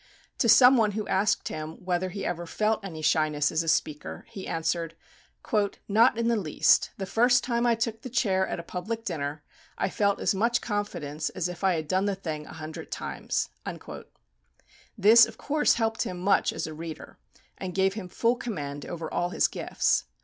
To some one who asked him whether he ever felt any shyness as a speaker, he answered, "Not in the least; the first time I took the chair (at a public dinner) I felt as much confidence as if I had done the thing a hundred times." This of course helped him much as a reader, and gave him full command over all his gifts.